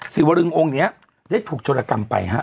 สิวรึงองค์นี้ได้ถูกชนกรรมไป